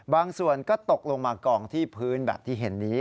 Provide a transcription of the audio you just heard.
บางส่วนก็ตกลงมากองที่พื้นแบบที่เห็นนี้